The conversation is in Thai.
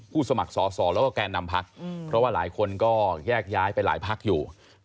สมัครสอสอแล้วก็แกนนำพักเพราะว่าหลายคนก็แยกย้ายไปหลายพักอยู่